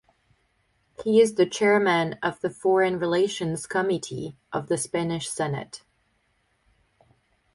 He is the Chairman of the Foreign Relations Committee of the Spanish Senate.